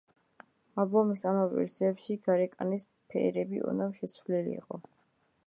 ალბომის ამავე ვერსიებში გარეკანის ფერები ოდნავ შეცვლილი იყო.